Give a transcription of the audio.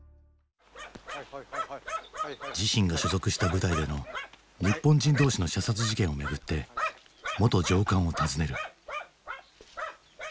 自身が所属した部隊での日本人同士の射殺事件をめぐって元上官を訪ねる。